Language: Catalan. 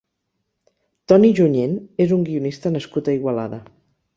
Toni Junyent és un guionista nascut a Igualada.